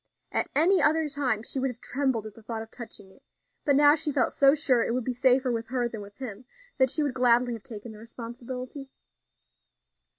At any other time she would have trembled at the thought of touching it; but now she felt so sure it would be safer with her than with him, that she would gladly have taken the responsibility.